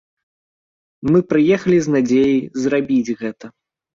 Мы прыехалі з надзеяй зрабіць гэта.